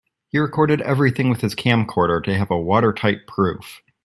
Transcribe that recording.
He recorded everything with his camcorder to have a watertight proof.